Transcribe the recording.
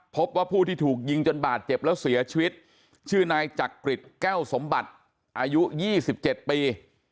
พบว่าผู้ที่ถูกยิงจนบาดเจ็บแล้วเสียชีวิตชื่อนายจักริจแก้วสมบัติอายุ๒๗ปี